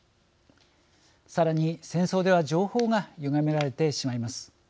さらに、戦争では情報がゆがめられてしまいます。